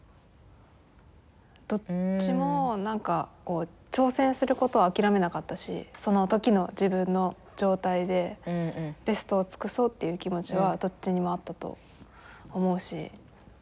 どっちも挑戦することを諦めなかったしその時の自分の状態でベストを尽くそうっていう気持ちはどっちにもあったと思うし。